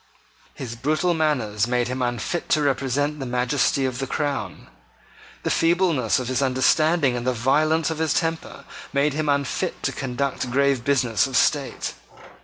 His brutal manners made him unfit to represent the majesty of the crown. The feebleness of his understanding and the violence of his temper made him unfit to conduct grave business of state.